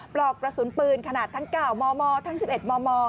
ปลอกกระสุนปืนขนาดทั้ง๙มมทั้ง๑๑มม